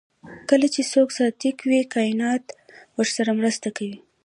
کله چې څوک صادق وي کائنات ورسره مرسته کوي.